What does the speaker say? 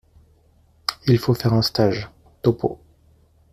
Il faut faire un stage." Topeau .